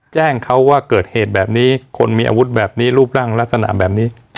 แจ้งเขาว่าเกิดเหตุแบบนี้คนมีอาวุธแบบนี้รูปร่างลักษณะแบบนี้